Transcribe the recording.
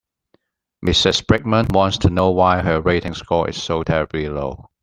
Mrs Brickman wants to know why her rating score is so terribly low.